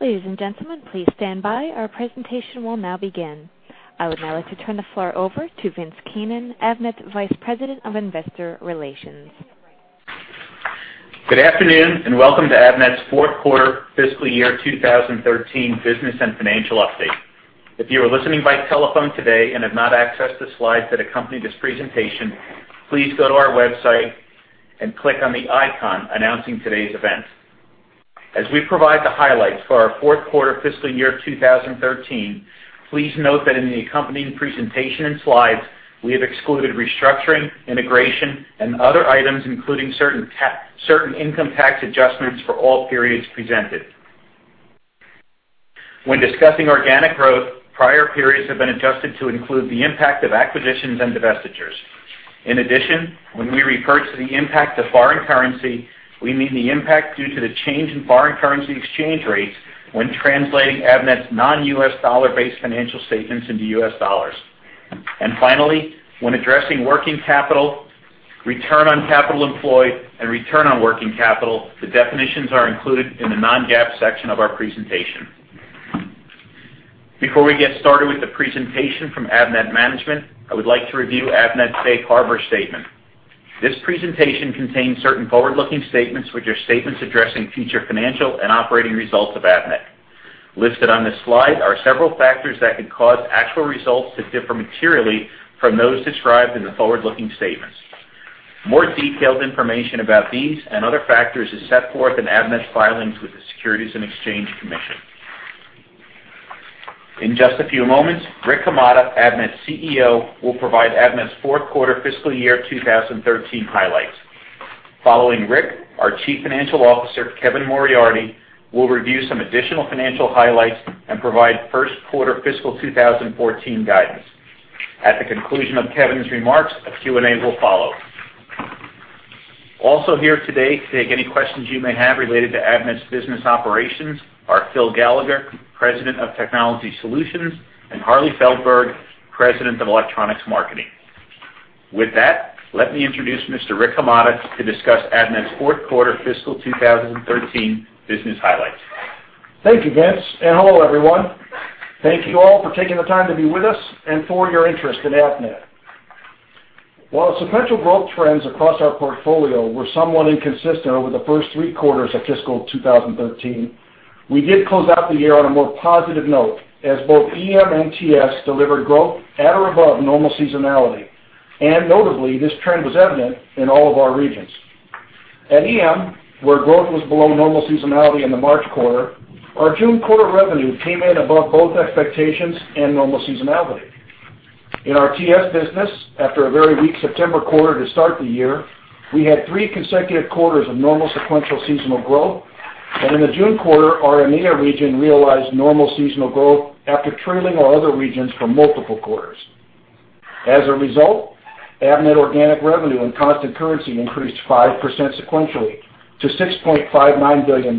Ladies and gentlemen, please stand by. Our presentation will now begin. I would now like to turn the floor over to Vince Keenan, Avnet Vice President of Investor Relations. Good afternoon and welcome to Avnet's Q4 fiscal year 2013 business and financial update. If you are listening by telephone today and have not accessed the slides that accompany this presentation, please go to our website and click on the icon announcing today's event. As we provide the highlights for our Q4 fiscal year 2013, please note that in the accompanying presentation and slides we have excluded restructuring, integration, and other items including certain income tax adjustments for all periods presented. When discussing organic growth, prior periods have been adjusted to include the impact of acquisitions and divestitures. In addition, when we refer to the impact of foreign currency, we mean the impact due to the change in foreign currency exchange rates when translating Avnet's non-U.S. dollar-based financial statements into U.S. dollars. And finally, when addressing working capital, return on capital employed, and return on working capital, the definitions are included in the non-GAAP section of our presentation. Before we get started with the presentation from Avnet management, I would like to review Avnet's Safe Harbor statement. This presentation contains certain forward-looking statements which are statements addressing future financial and operating results of Avnet. Listed on this slide are several factors that could cause actual results to differ materially from those described in the forward-looking statements. More detailed information about these and other factors is set forth in Avnet's filings with the Securities and Exchange Commission. In just a few moments, Rick Hamada, Avnet's CEO, will provide Avnet's Q4 fiscal year 2013 highlights. Following Rick, our Chief Financial Officer, Kevin Moriarty, will review some additional financial highlights and provide Q1 fiscal 2014 guidance. At the conclusion of Kevin's remarks, a Q&A will follow. Also here today to take any questions you may have related to Avnet's business operations are Phil Gallagher, President of Technology Solutions, and Harley Feldberg, President of Electronics Marketing. With that, let me introduce Mr. Rick Hamada to discuss Avnet's Q4 fiscal 2013 business highlights. Thank you, Vince, and hello everyone. Thank you all for taking the time to be with us and for your interest in Avnet. While the sequential growth trends across our portfolio were somewhat inconsistent over the first three quarters of fiscal 2013, we did close out the year on a more positive note as both EM and TS delivered growth at or above normal seasonality, and notably this trend was evident in all of our regions. At EM, where growth was below normal seasonality in the March quarter, our June quarter revenue came in above both expectations and normal seasonality. In our TS business, after a very weak September quarter to start the year, we had three consecutive quarters of normal sequential seasonal growth, and in the June quarter, our EMEA region realized normal seasonal growth after trailing our other regions for multiple quarters. As a result, Avnet organic revenue in constant currency increased 5% sequentially to $6.59 billion,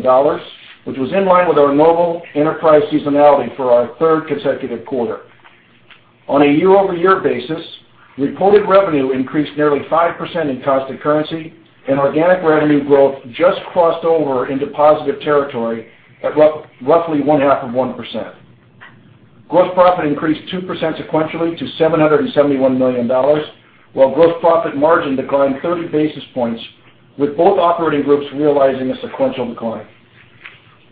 which was in line with our normal enterprise seasonality for our third consecutive quarter. On a year-over-year basis, reported revenue increased nearly 5% in constant currency, and organic revenue growth just crossed over into positive territory at roughly 0.5%. Gross profit increased 2% sequentially to $771 million, while gross profit margin declined 30 basis points, with both operating groups realizing a sequential decline.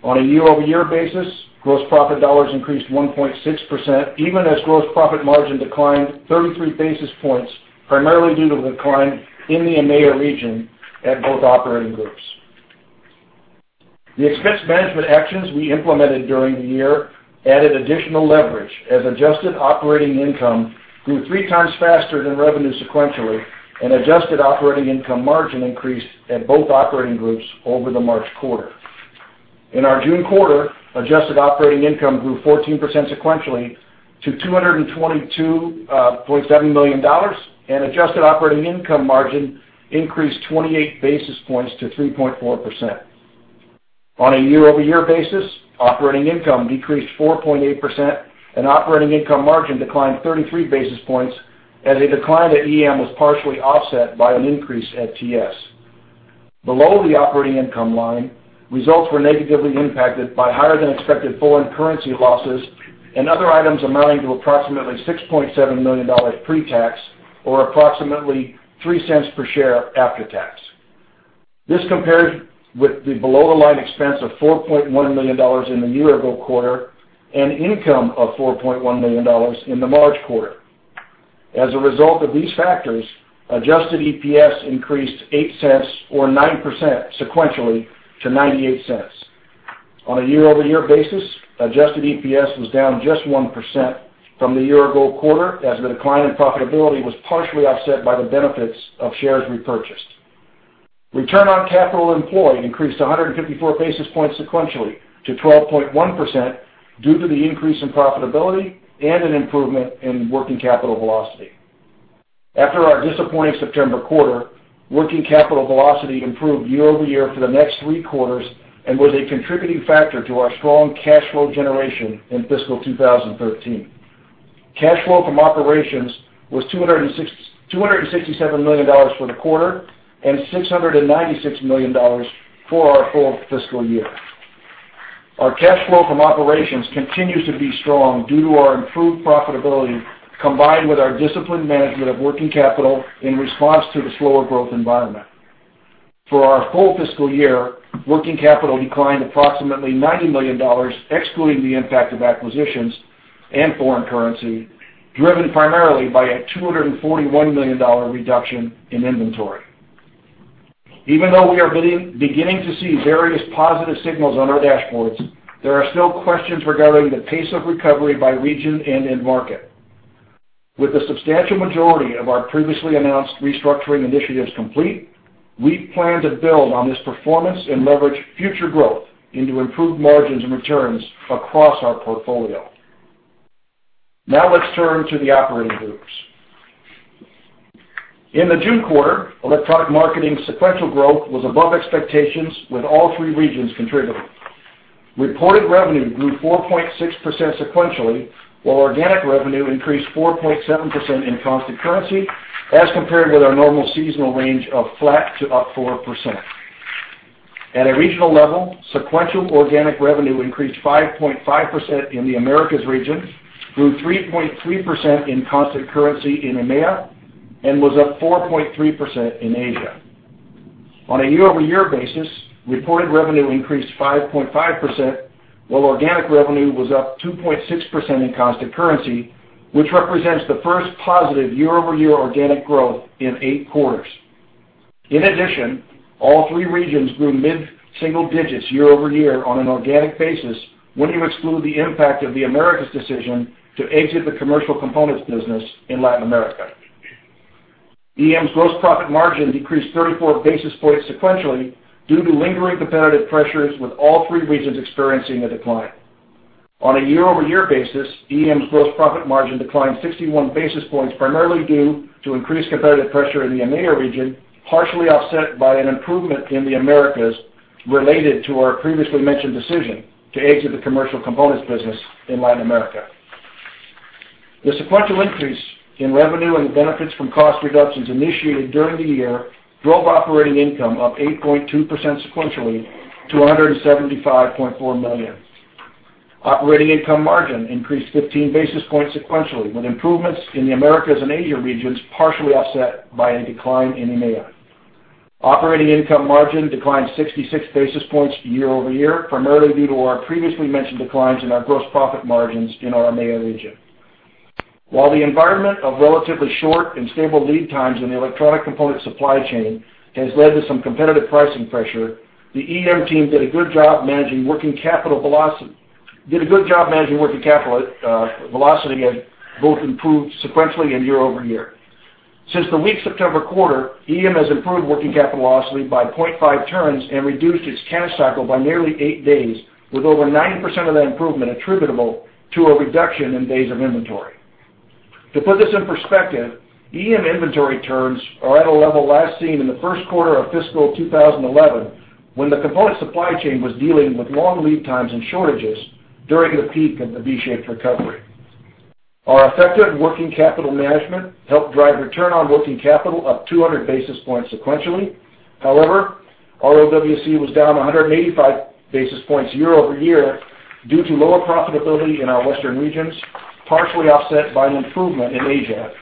On a year-over-year basis, gross profit dollars increased 1.6% even as gross profit margin declined 33 basis points, primarily due to the decline in the EMEA region at both operating groups. The expense management actions we implemented during the year added additional leverage as adjusted operating income grew three times faster than revenue sequentially, and adjusted operating income margin increased at both operating groups over the March quarter. In our June quarter, adjusted operating income grew 14% sequentially to $222.7 million, and adjusted operating income margin increased 28 basis points to 3.4%. On a year-over-year basis, operating income decreased 4.8%, and operating income margin declined 33 basis points as a decline at EM was partially offset by an increase at TS. Below the operating income line, results were negatively impacted by higher-than-expected foreign currency losses and other items amounting to approximately $6.7 million pre-tax or approximately 3 cents per share after tax. This compares with the below-the-line expense of $4.1 million in the year-ago quarter and income of $4.1 million in the March quarter. As a result of these factors, adjusted EPS increased 8 cents or 9% sequentially to 98 cents. On a year-over-year basis, adjusted EPS was down just 1% from the year-ago quarter as the decline in profitability was partially offset by the benefits of shares repurchased. Return on capital employed increased 154 basis points sequentially to 12.1% due to the increase in profitability and an improvement in working capital velocity. After our disappointing September quarter, working capital velocity improved year-over-year for the next three quarters and was a contributing factor to our strong cash flow generation in fiscal 2013. Cash flow from operations was $267 million for the quarter and $696 million for our full fiscal year. Our cash flow from operations continues to be strong due to our improved profitability combined with our disciplined management of working capital in response to the slower growth environment. For our full fiscal year, working capital declined approximately $90 million, excluding the impact of acquisitions and foreign currency, driven primarily by a $241 million reduction in inventory. Even though we are beginning to see various positive signals on our dashboards, there are still questions regarding the pace of recovery by region and in-market. With the substantial majority of our previously announced restructuring initiatives complete, we plan to build on this performance and leverage future growth into improved margins and returns across our portfolio. Now let's turn to the operating groups. In the June quarter, electronic marketing sequential growth was above expectations with all three regions contributing. Reported revenue grew 4.6% sequentially, while organic revenue increased 4.7% in constant currency as compared with our normal seasonal range of flat to up 4%. At a regional level, sequential organic revenue increased 5.5% in the Americas region, grew 3.3% in constant currency in EMEA, and was up 4.3% in Asia. On a year-over-year basis, reported revenue increased 5.5%, while organic revenue was up 2.6% in constant currency, which represents the first positive year-over-year organic growth in eight quarters. In addition, all three regions grew mid-single digits year-over-year on an organic basis when you exclude the impact of the Americas decision to exit the commercial components business in Latin America. EM's gross profit margin decreased 34 basis points sequentially due to lingering competitive pressures with all three regions experiencing a decline. On a year-over-year basis, EM's gross profit margin declined 61 basis points primarily due to increased competitive pressure in the EMEA region, partially offset by an improvement in the Americas related to our previously mentioned decision to exit the commercial components business in Latin America. The sequential increase in revenue and the benefits from cost reductions initiated during the year drove operating income up 8.2% sequentially to $175.4 million. Operating income margin increased 15 basis points sequentially with improvements in the Americas and Asia regions partially offset by a decline in EMEA. Operating income margin declined 66 basis points year-over-year primarily due to our previously mentioned declines in our gross profit margins in our EMEA region. While the environment of relatively short and stable lead times in the electronic component supply chain has led to some competitive pricing pressure, the EM team did a good job managing working capital velocity as both improved sequentially and year-over-year. Since the weak September quarter, EM has improved working capital velocity by 0.5 turns and reduced its cash cycle by nearly 8 days, with over 9% of that improvement attributable to a reduction in days of inventory. To put this in perspective, EM inventory turns are at a level last seen in the Q1 of fiscal 2011 when the component supply chain was dealing with long lead times and shortages during the peak of the V-shaped recovery. Our effective working capital management helped drive return on working capital up 200 basis points sequentially. However, ROWC was down 185 basis points year-over-year due to lower profitability in our western regions, partially offset by an improvement in APAC,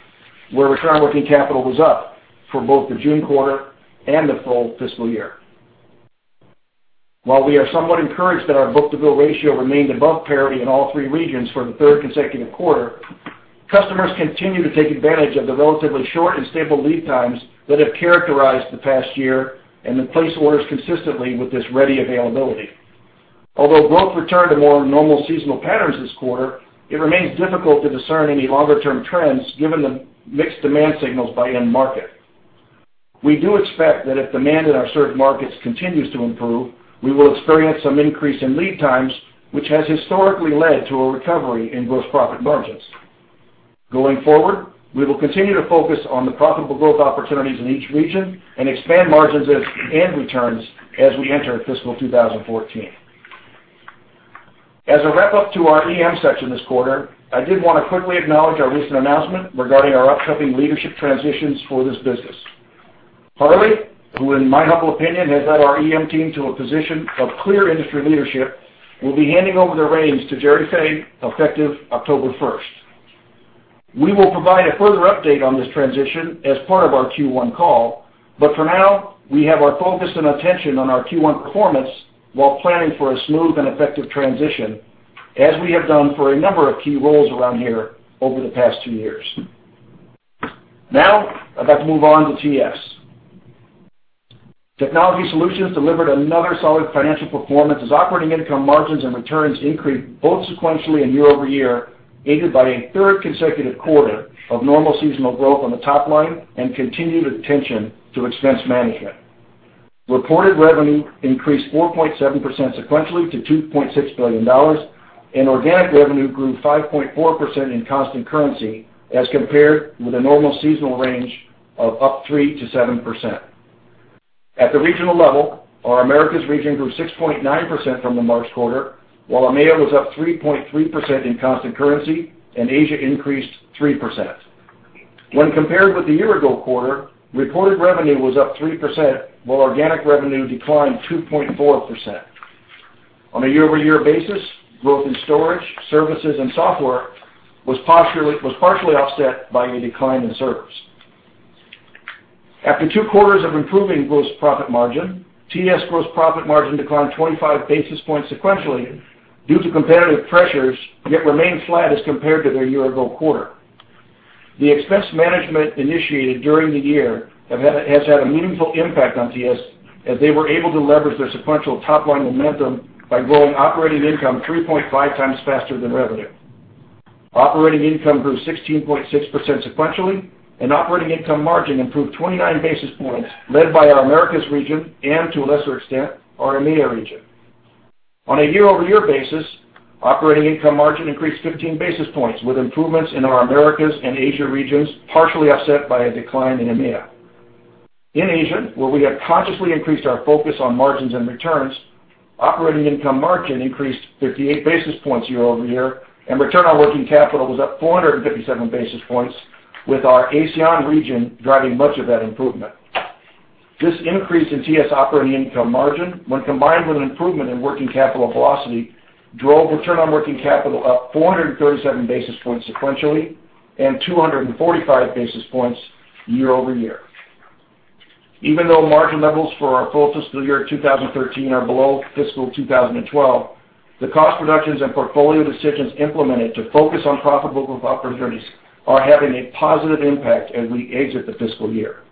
where return on working capital was up for both the June quarter and the full fiscal year. While we are somewhat encouraged that our book-to-bill ratio remained above parity in all three regions for the third consecutive quarter, customers continue to take advantage of the relatively short and stable lead times that have characterized the past year and have placed orders consistently with this ready availability. Although growth returned to more normal seasonal patterns this quarter, it remains difficult to discern any longer-term trends given the mixed demand signals by end-market. We do expect that if demand in our served markets continues to improve, we will experience some increase in lead times, which has historically led to a recovery in gross profit margins. Going forward, we will continue to focus on the profitable growth opportunities in each region and expand margins and returns as we enter fiscal 2014. As a wrap-up to our EM section this quarter, I did want to quickly acknowledge our recent announcement regarding our upcoming leadership transitions for this business. Harley, who, in my humble opinion, has led our EM team to a position of clear industry leadership, will be handing over the reins to Gerry Fay effective October 1st. We will provide a further update on this transition as part of our Q1 call, but for now, we have our focus and attention on our Q1 performance while planning for a smooth and effective transition as we have done for a number of key roles around here over the past two years. Now, I'd like to move on to TS. Technology Solutions delivered another solid financial performance as operating income margins and returns increased both sequentially and year-over-year, aided by a third consecutive quarter of normal seasonal growth on the top line and continued attention to expense management. Reported revenue increased 4.7% sequentially to $2.6 billion, and organic revenue grew 5.4% in constant currency as compared with a normal seasonal range of up 3%-7%. At the regional level, our Americas region grew 6.9% from the March quarter, while EMEA was up 3.3% in constant currency and Asia increased 3%. When compared with the year-ago quarter, reported revenue was up 3% while organic revenue declined 2.4%. On a year-over-year basis, growth in storage, services, and software was partially offset by a decline in service. After two quarters of improving gross profit margin, TS gross profit margin declined 25 basis points sequentially due to competitive pressures yet remained flat as compared to their year-ago quarter. The expense management initiated during the year has had a meaningful impact on TS as they were able to leverage their sequential top-line momentum by growing operating income 3.5 times faster than revenue. Operating income grew 16.6% sequentially, and operating income margin improved 29 basis points led by our Americas region and, to a lesser extent, our EMEA region. On a year-over-year basis, operating income margin increased 15 basis points with improvements in our Americas and Asia regions, partially offset by a decline in EMEA. In Asia, where we have consciously increased our focus on margins and returns, operating income margin increased 58 basis points year-over-year, and return on working capital was up 457 basis points, with our ASEAN region driving much of that improvement. This increase in TS operating income margin, when combined with an improvement in working capital velocity, drove return on working capital up 437 basis points sequentially and 245 basis points year-over-year. Even though margin levels for our full fiscal year 2013 are below fiscal 2012, the cost reductions and portfolio decisions implemented to focus on profitable growth opportunities are having a positive impact as we exit the fiscal year.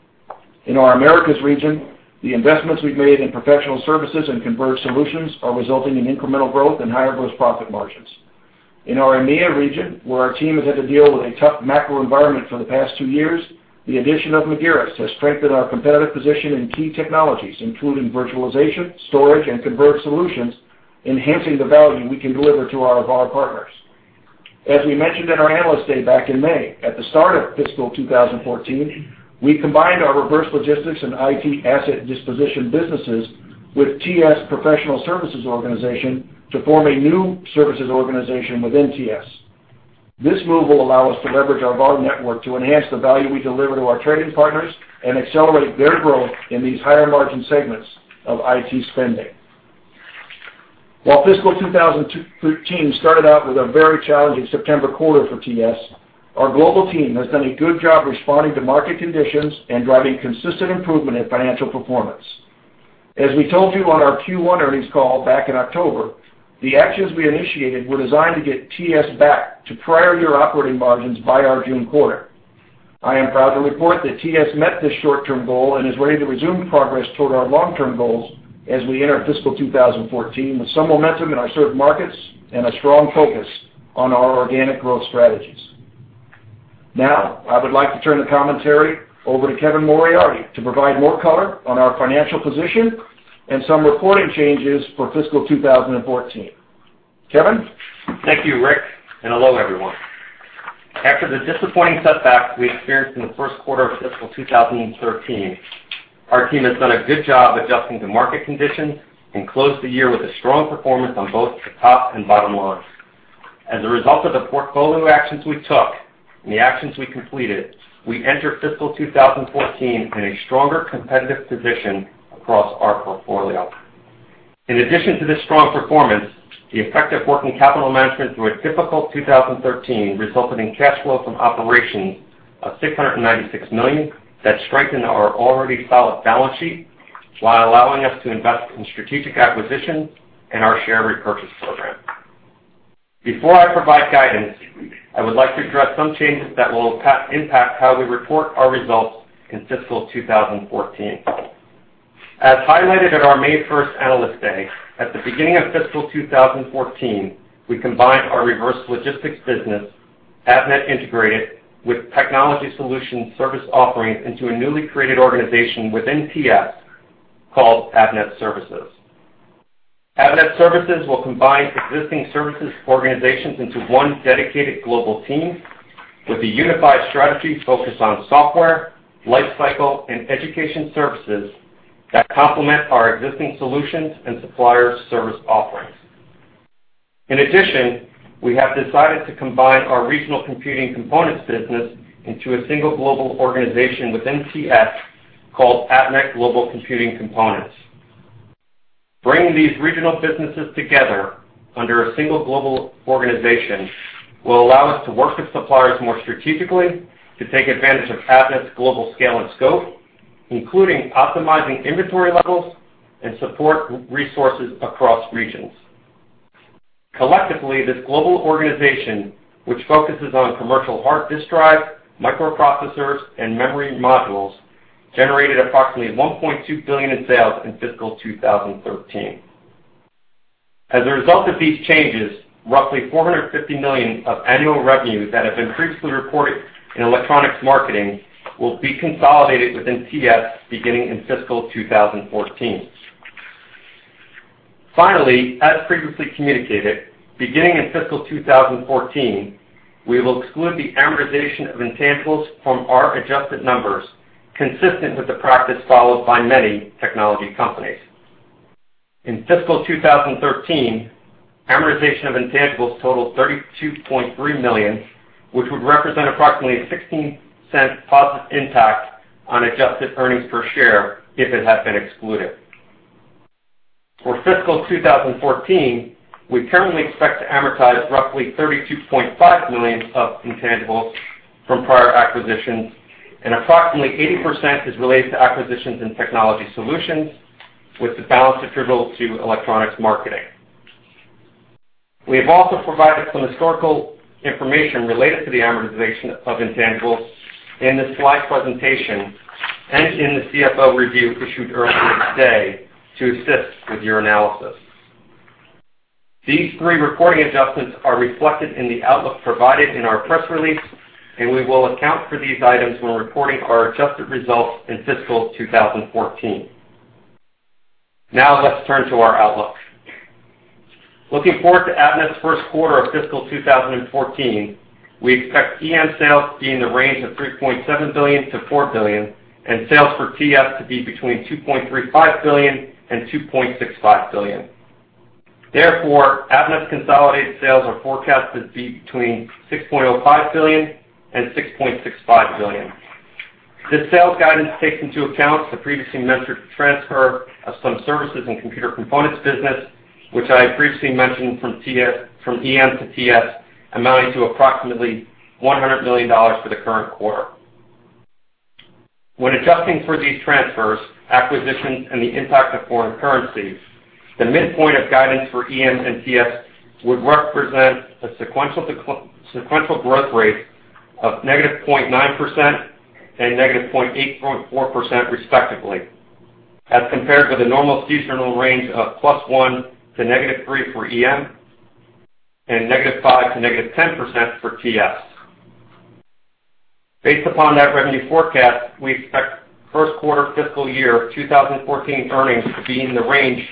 In our Americas region, the investments we've made in professional services and converged solutions are resulting in incremental growth and higher gross profit margins. In our EMEA region, where our team has had to deal with a tough macro environment for the past two years, the addition of Magirus has strengthened our competitive position in key technologies, including virtualization, storage, and converged solutions, enhancing the value we can deliver to our partners. As we mentioned at our analyst day back in May, at the start of fiscal 2014, we combined our reverse logistics and IT asset disposition businesses with TS Professional Services Organization to form a new services organization within TS. This move will allow us to leverage our VAR network to enhance the value we deliver to our trading partners and accelerate their growth in these higher-margin segments of IT spending. While fiscal 2013 started out with a very challenging September quarter for TS, our global team has done a good job responding to market conditions and driving consistent improvement in financial performance. As we told you on our Q1 earnings call back in October, the actions we initiated were designed to get TS back to prior-year operating margins by our June quarter. I am proud to report that TS met this short-term goal and is ready to resume progress toward our long-term goals as we enter fiscal 2014 with some momentum in our served markets and a strong focus on our organic growth strategies. Now, I would like to turn the commentary over to Kevin Moriarty to provide more color on our financial position and some reporting changes for fiscal 2014. Kevin. Thank you, Rick, and hello, everyone. After the disappointing setback we experienced in the Q1 of fiscal 2013, our team has done a good job adjusting to market conditions and closed the year with a strong performance on both the top and bottom line. As a result of the portfolio actions we took and the actions we completed, we enter fiscal 2014 in a stronger competitive position across our portfolio. In addition to this strong performance, the effective working capital management through a difficult 2013 resulted in cash flow from operations of $696 million that strengthened our already solid balance sheet while allowing us to invest in strategic acquisitions and our share repurchase program. Before I provide guidance, I would like to address some changes that will impact how we report our results in fiscal 2014. As highlighted at our May 1st analyst day, at the beginning of fiscal 2014, we combined our reverse logistics business, Avnet Integrated, with technology solution service offerings into a newly created organization within TS called Avnet Services. Avnet Services will combine existing services organizations into one dedicated global team with a unified strategy focused on software, lifecycle, and education services that complement our existing solutions and suppliers service offerings. In addition, we have decided to combine our regional computing components business into a single global organization within TS called Avnet Global Computing Components. Bringing these regional businesses together under a single global organization will allow us to work with suppliers more strategically, to take advantage of Avnet's global scale and scope, including optimizing inventory levels and support resources across regions. Collectively, this global organization, which focuses on commercial hard disk drives, microprocessors, and memory modules, generated approximately $1.2 billion in sales in fiscal 2013. As a result of these changes, roughly $450 million of annual revenue that had been previously reported in electronics marketing will be consolidated within TS beginning in fiscal 2014. Finally, as previously communicated, beginning in fiscal 2014, we will exclude the amortization of intangibles from our adjusted numbers consistent with the practice followed by many technology companies. In fiscal 2013, amortization of intangibles totaled $32.3 million, which would represent approximately a $0.16 positive impact on adjusted earnings per share if it had been excluded. For fiscal 2014, we currently expect to amortize roughly $32.5 million of intangibles from prior acquisitions, and approximately 80% is related to acquisitions in technology solutions, with the balance attributable to electronics marketing. We have also provided some historical information related to the amortization of intangibles in this slide presentation and in the CFO review issued earlier today to assist with your analysis. These three reporting adjustments are reflected in the outlook provided in our press release, and we will account for these items when reporting our adjusted results in fiscal 2014. Now, let's turn to our outlook. Looking forward to Avnet's Q1 of fiscal 2014, we expect EM sales to be in the range of $3.7 billion-$4 billion, and sales for TS to be between $2.35 billion and $2.65 billion. Therefore, Avnet's consolidated sales are forecast to be between $6.05 billion and $6.65 billion. This sales guidance takes into account the previously mentioned transfer of some services and computer components business, which I previously mentioned from EM to TS, amounting to approximately $100 million for the current quarter. When adjusting for these transfers, acquisitions, and the impact of foreign currency, the midpoint of guidance for EM and TS would represent a sequential growth rate of -0.9% and -0.84% respectively, as compared with a normal seasonal range of +1% to -3% for EM and -5% to -10% for TS. Based upon that revenue forecast, we expect Q1 fiscal year 2014 earnings to be in the range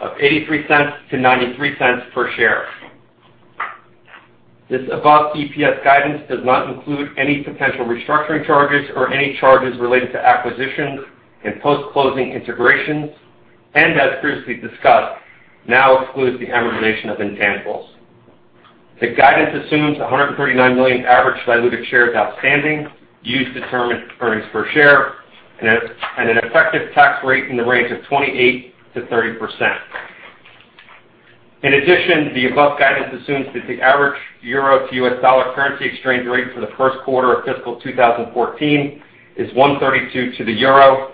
of $0.83-$0.93 per share. This above EPS guidance does not include any potential restructuring charges or any charges related to acquisitions and post-closing integrations, and, as previously discussed, now excludes the amortization of intangibles. The guidance assumes $139 million average diluted shares outstanding used to determine earnings per share and an effective tax rate in the range of 28%-30%. In addition, the above guidance assumes that the average euro to US dollar currency exchange rate for the Q1 of fiscal 2014 is 1.32 to the euro.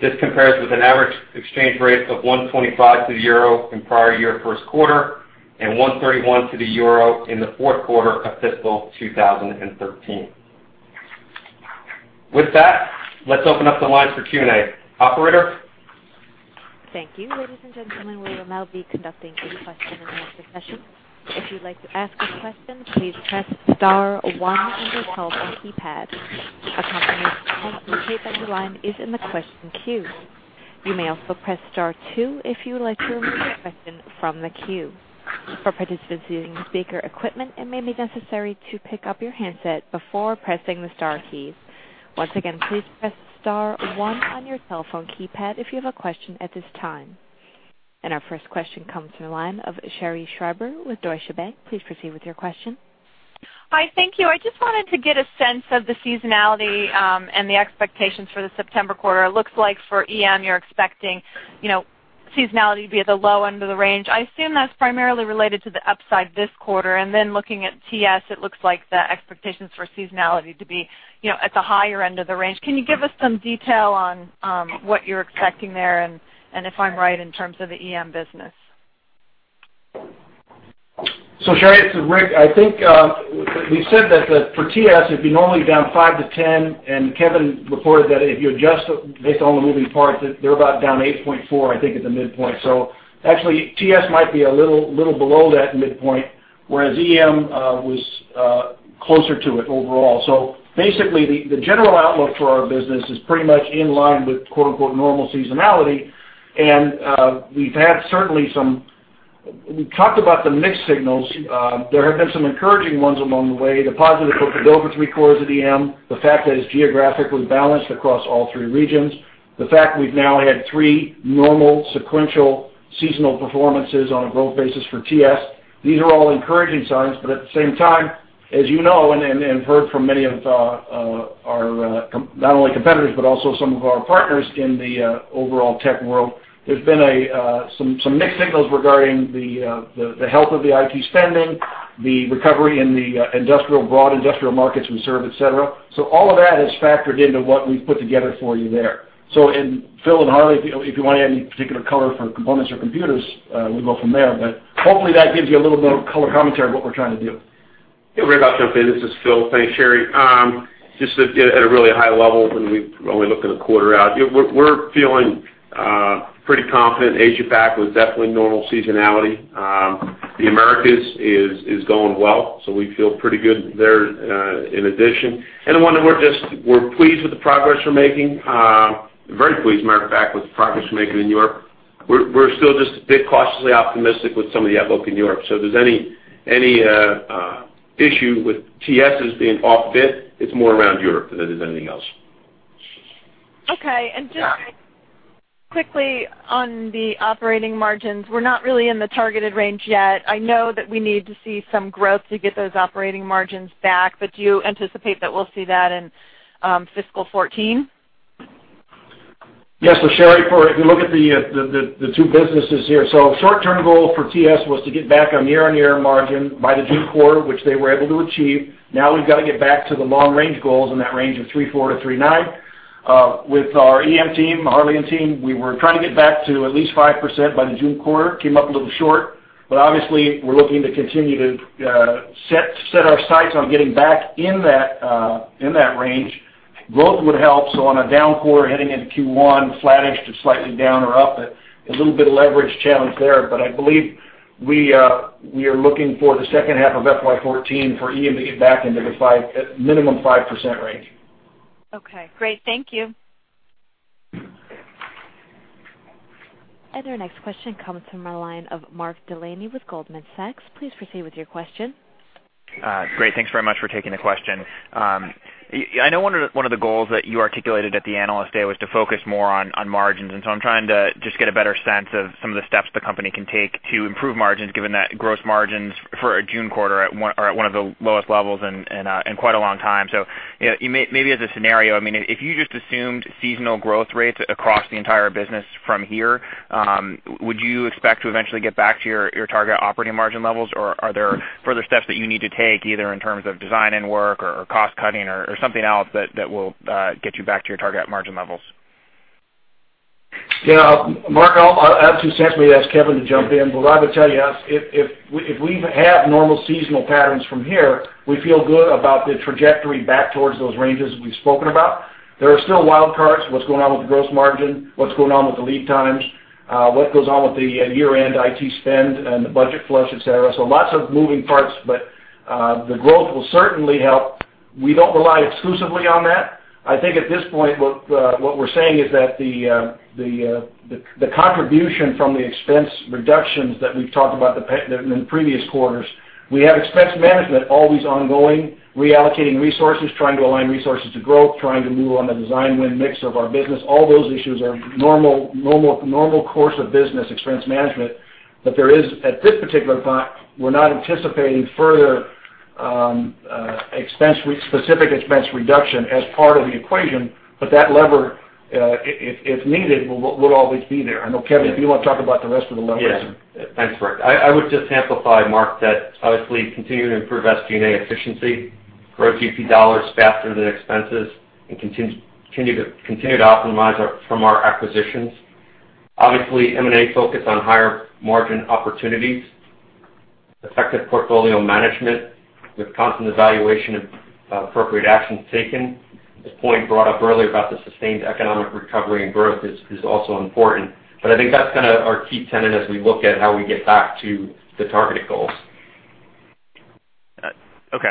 This compares with an average exchange rate of 1.25 to the euro in prior year Q1 and 1.31 to the euro in the Q4 of fiscal 2013. With that, let's open up the lines for Q&A. Operator. Thank you. Ladies and gentlemen, we will now be conducting a question-and-answer session. If you'd like to ask a question, please press star one on your telephone keypad. A confirmation that you type on your line is in the question queue. You may also press star two if you would like to remove a question from the queue. For participants using speaker equipment, it may be necessary to pick up your handset before pressing the star keys. Once again, please press star one on your telephone keypad if you have a question at this time. And our first question comes from the line of Sherri Scribner with Deutsche Bank. Please proceed with your question. Hi. Thank you. I just wanted to get a sense of the seasonality and the expectations for the September quarter. It looks like for EM, you're expecting seasonality to be at the low end of the range. I assume that's primarily related to the upside this quarter. Then looking at TS, it looks like the expectations for seasonality to be at the higher end of the range. Can you give us some detail on what you're expecting there and if I'm right in terms of the EM business? So Sherri, it's Rick. I think we've said that for TS, it'd be normally down 5-10, and Kevin reported that if you adjust based on the moving parts, they're about down 8.4, I think, at the midpoint. So actually, TS might be a little below that midpoint, whereas EM was closer to it overall. So basically, the general outlook for our business is pretty much in line with "normal seasonality," and we've had certainly some we talked about the mixed signals. There have been some encouraging ones along the way. The positive book-to-bill above 1 for three quarters of EM, the fact that it's geographically balanced across all three regions, the fact we've now had three normal sequential seasonal performances on a growth basis for TS, these are all encouraging signs. But at the same time, as you know and heard from many of our not only competitors but also some of our partners in the overall tech world, there's been some mixed signals regarding the health of the IT spending, the recovery in the broad industrial markets we serve, etc. So all of that is factored into what we've put together for you there. So Phil and Harley, if you want to add any particular color for components or computers, we'll go from there. But hopefully, that gives you a little bit of color commentary of what we're trying to do. Hey, Rick. I'll jump in. This is Phil. Thanks, Sherry. Just at a really high level, when we're only looking a quarter out, we're feeling pretty confident. Asia-Pac was definitely normal seasonality. The Americas is going well, so we feel pretty good there in addition. And the one that we're pleased with the progress we're making very pleased, matter of fact, with the progress we're making in Europe. We're still just a bit cautiously optimistic with some of the outlook in Europe. So if there's any issue with TS's being off a bit, it's more around Europe than it is anything else. Okay. And just quickly on the operating margins, we're not really in the targeted range yet. I know that we need to see some growth to get those operating margins back, but do you anticipate that we'll see that in fiscal 2014? Yes. So Sherry, if you look at the two businesses here so short-term goal for TS was to get back on year-on-year margin by the June quarter, which they were able to achieve. Now, we've got to get back to the long-range goals in that range of 3.4%-3.9%. With our EM team, Harley and team, we were trying to get back to at least 5% by the June quarter, came up a little short. But obviously, we're looking to continue to set our sights on getting back in that range. Growth would help. On a down quarter heading into Q1, flattish to slightly down or up, a little bit of leverage challenge there. But I believe we are looking for the second half of FY 2014 for EM to get back into the minimum 5% range. Okay. Great. Thank you. Our next question comes from our line of Mark Delaney with Goldman Sachs. Please proceed with your question. Great. Thanks very much for taking the question. I know one of the goals that you articulated at the analyst day was to focus more on margins. So I'm trying to just get a better sense of some of the steps the company can take to improve margins given that gross margins for a June quarter are at one of the lowest levels in quite a long time. So maybe as a scenario, I mean, if you just assumed seasonal growth rates across the entire business from here, would you expect to eventually get back to your target operating margin levels, or are there further steps that you need to take either in terms of designing work or cost-cutting or something else that will get you back to your target margin levels? Yeah. Mark, I'll have two seconds. Maybe ask Kevin to jump in. But I would tell you, if we have normal seasonal patterns from here, we feel good about the trajectory back towards those ranges we've spoken about. There are still wildcards: what's going on with the gross margin, what's going on with the lead times, what goes on with the year-end IT spend and the budget flush, etc. So lots of moving parts, but the growth will certainly help. We don't rely exclusively on that. I think at this point, what we're saying is that the contribution from the expense reductions that we've talked about in the previous quarters. We have expense management always ongoing, reallocating resources, trying to align resources to growth, trying to move on the design win mix of our business. All those issues are normal course of business expense management. But at this particular point, we're not anticipating further specific expense reduction as part of the equation. But that lever, if needed, will always be there. I know, Kevin, if you want to talk about the rest of the levers. Yeah. Thanks, Rick. I would just amplify, Mark, that obviously, continue to improve SG&A efficiency, grow GP dollars faster than expenses, and continue to optimize from our acquisitions. Obviously, M&A focus on higher margin opportunities, effective portfolio management with constant evaluation of appropriate actions taken. The point brought up earlier about the sustained economic recovery and growth is also important. But I think that's kind of our key tenet as we look at how we get back to the targeted goals. Okay.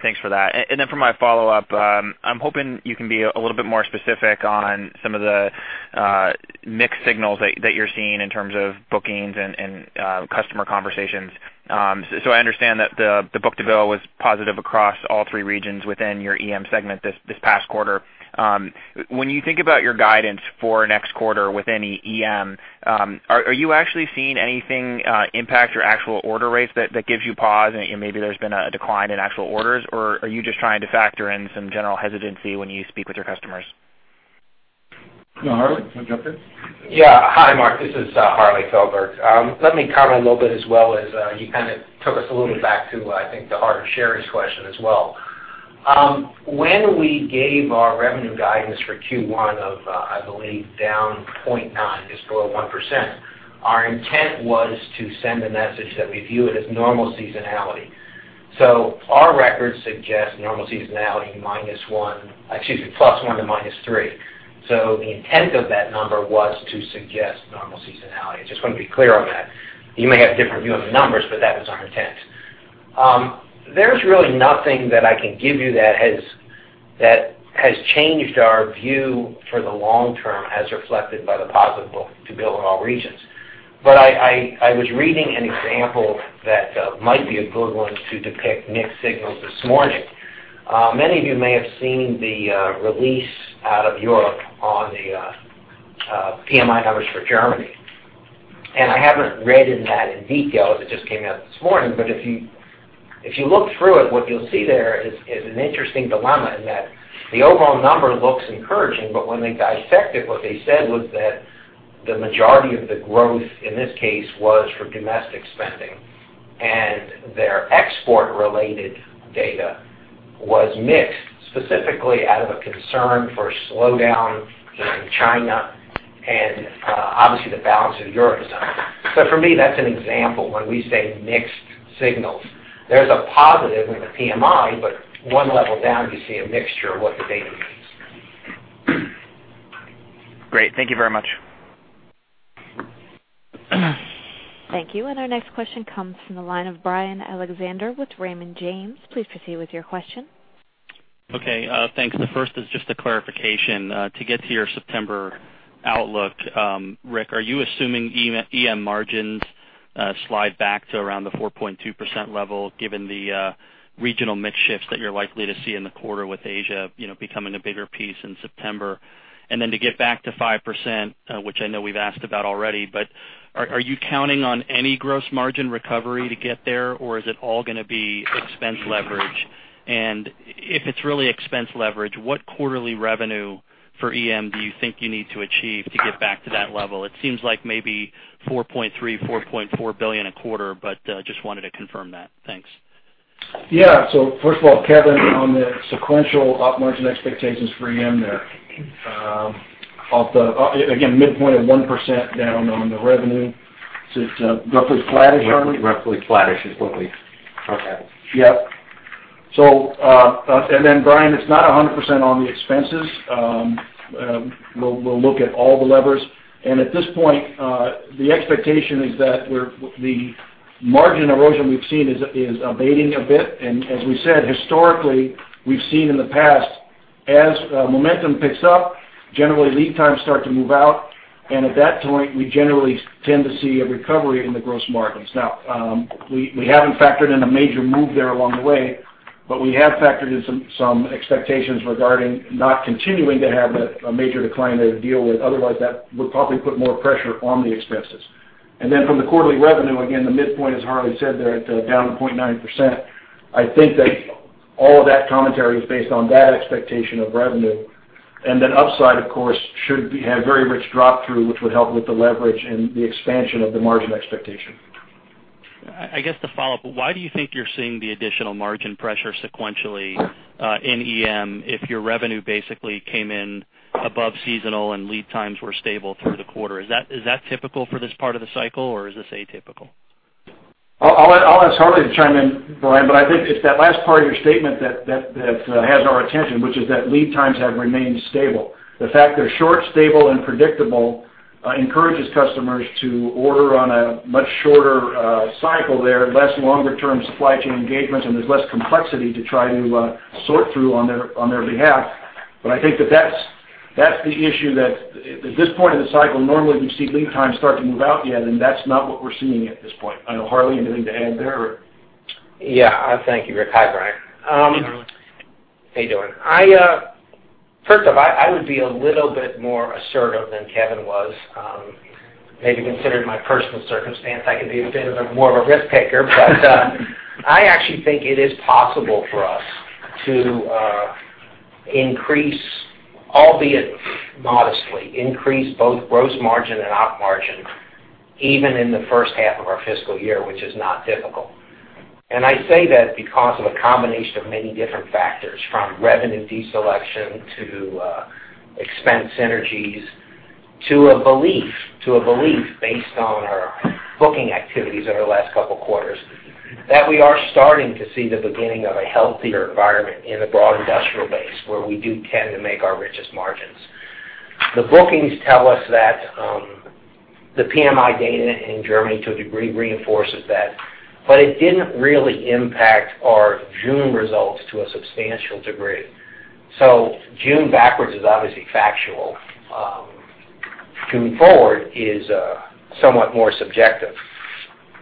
Thanks for that. And then for my follow-up, I'm hoping you can be a little bit more specific on some of the mixed signals that you're seeing in terms of bookings and customer conversations. So I understand that the book-to-bill was positive across all three regions within your EM segment this past quarter. When you think about your guidance for next quarter within EM, are you actually seeing anything impact your actual order rates that gives you pause, and maybe there's been a decline in actual orders? Or are you just trying to factor in some general hesitancy when you speak with your customers? Harley, can I jump in? Yeah. Hi, Mark. This is Harley Feldberg. Let me comment a little bit as well as you kind of took us a little bit back to, I think, to Harley and Sherry's question as well. When we gave our revenue guidance for Q1 of, I believe, down 0.9%, just below 1%, our intent was to send a message that we view it as normal seasonality. Our records suggest normal seasonality minus one, excuse me, +1% to -3%. The intent of that number was to suggest normal seasonality. I just want to be clear on that. You may have a different view of the numbers, but that was our intent. There's really nothing that I can give you that has changed our view for the long term as reflected by the positive book-to-bill in all regions. But I was reading an example that might be a good one to depict mixed signals this morning. Many of you may have seen the release out of Europe on the PMI numbers for Germany. And I haven't read that in detail. It just came out this morning. But if you look through it, what you'll see there is an interesting dilemma in that the overall number looks encouraging, but when they dissect it, what they said was that the majority of the growth, in this case, was for domestic spending, and their export-related data was mixed, specifically out of a concern for slowdown in China and obviously, the balance of Europe is up. So for me, that's an example when we say mixed signals. There's a positive in the PMI, but one level down, you see a mixture of what the data means. Great. Thank you very much. Thank you. And our next question comes from the line of Brian Alexander with Raymond James. Please proceed with your question. Okay. Thanks. The first is just a clarification. To get to your September outlook, Rick, are you assuming EM margins slide back to around the 4.2% level given the regional mix shifts that you're likely to see in the quarter with Asia becoming a bigger piece in September? And then to get back to 5%, which I know we've asked about already, but are you counting on any gross margin recovery to get there, or is it all going to be expense leverage? And if it's really expense leverage, what quarterly revenue for EM do you think you need to achieve to get back to that level? It seems like maybe $4.3-$4.4 billion a quarter, but just wanted to confirm that. Thanks. Yeah. So, first of all, Kevin, on the sequential gross margin expectations for EM there, again, midpoint of 1% down on the revenue. Is it roughly flattish, Harley? Roughly flattish is what we okay. Yep. And then, Brian, it's not 100% on the expenses. We'll look at all the levers. And at this point, the expectation is that the margin erosion we've seen is abating a bit. And as we said, historically, we've seen in the past, as momentum picks up, generally, lead times start to move out. And at that point, we generally tend to see a recovery in the gross margins. Now, we haven't factored in a major move there along the way, but we have factored in some expectations regarding not continuing to have a major decline there to deal with. Otherwise, that would probably put more pressure on the expenses. And then from the quarterly revenue, again, the midpoint, as Harley said there, down 0.9%, I think that all of that commentary is based on that expectation of revenue. And then upside, of course, should have very rich drop-through, which would help with the leverage and the expansion of the margin expectation. I guess the follow-up, why do you think you're seeing the additional margin pressure sequentially in EM if your revenue basically came in above seasonal and lead times were stable through the quarter? Is that typical for this part of the cycle, or is this atypical? I'll ask Harley to chime in, Brian. But I think it's that last part of your statement that has our attention, which is that lead times have remained stable. The fact they're short, stable, and predictable encourages customers to order on a much shorter cycle there, less longer-term supply chain engagements, and there's less complexity to try to sort through on their behalf. But I think that that's the issue that at this point in the cycle, normally, we'd see lead times start to move out yet, and that's not what we're seeing at this point. I know, Harley, anything to add there? Yeah. Thank you, Rick. Hi, Brian. Hey, Harley. How you doing? First off, I would be a little bit more assertive than Kevin was, maybe considering my personal circumstance. I could be a bit more of a risk-taker. But I actually think it is possible for us to increase, albeit modestly, increase both gross margin and upmargin even in the first half of our fiscal year, which is not difficult. I say that because of a combination of many different factors, from revenue deselection to expense synergies to a belief based on our booking activities in our last couple of quarters that we are starting to see the beginning of a healthier environment in the broad industrial base where we do tend to make our richest margins. The bookings tell us that the PMI data in Germany, to a degree, reinforces that. But it didn't really impact our June results to a substantial degree. So June backwards is obviously factual. June forward is somewhat more subjective.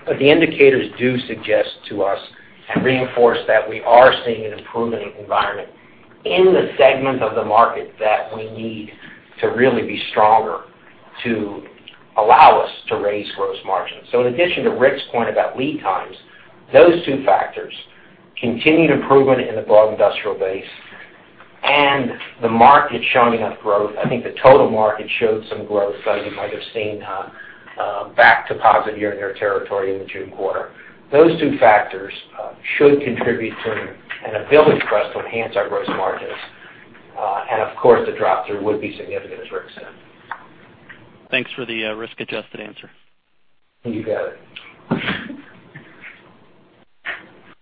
But the indicators do suggest to us and reinforce that we are seeing an improving environment in the segment of the market that we need to really be stronger to allow us to raise gross margins. So in addition to Rick's point about lead times, those two factors, continued improvement in the broad industrial base, and the market showing enough growth I think the total market showed some growth that you might have seen back to positive year-on-year territory in the June quarter. Those two factors should contribute to an ability for us to enhance our gross margins. And of course, the drop-through would be significant, as Rick said. Thanks for the risk-adjusted answer. You got it.